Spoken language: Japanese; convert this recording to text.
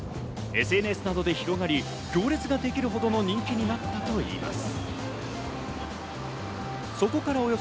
ＳＮＳなどで広がり行列ができるほどの人気になったといいます。